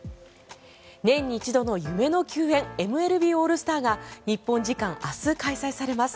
年に一度の夢の球宴ＭＬＢオールスターが日本時間明日、開催されます。